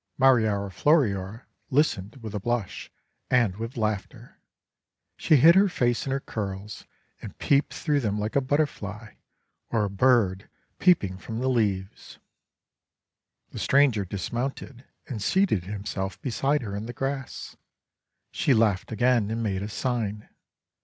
Mariora Floriora listened with a blush and with laughter. She hid her face in her curls, and peeped through them like a Butterfly or a bird peeping from the leaves. The stranger dismounted and seated himself beside her in the grass. She laughed again, and made a sign.